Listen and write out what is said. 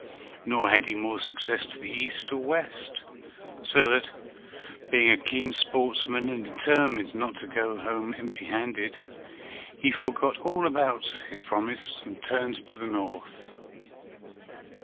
Nor had he more success to the east or west, so that, being a keen sportsman, and determined not to go home empty handed, he forgot all about his promise and turned to the north.